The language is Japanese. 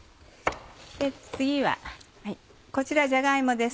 次はこちらじゃが芋です。